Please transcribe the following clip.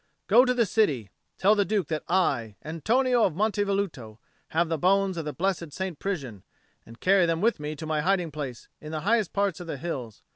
Go to the city; tell the Duke that I, Antonio of Monte Velluto, have the bones of the blessed St. Prisian, and carry them with me to my hiding place in the highest parts of the hills.